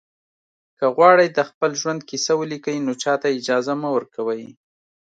که غواړئ د خپل ژوند کیسه ولیکئ نو چاته اجازه مه ورکوئ.